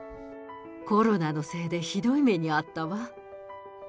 コロナのせいでひどい目に遭ったわ。